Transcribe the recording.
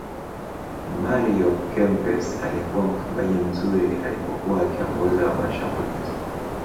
mario kempes alikuwa mfungaji mzuri alipokuwa akiongoza mashambulizi